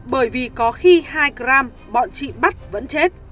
bởi vì có khi hai gram bọn chị bắt vẫn chết